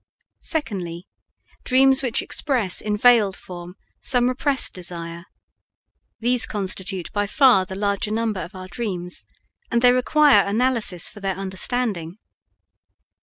Secondly, dreams which express in veiled form some repressed desire; these constitute by far the larger number of our dreams, and they require analysis for their understanding.